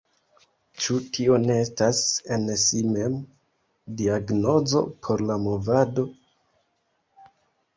Ĉu tio ne estas en si mem diagnozo por la movado?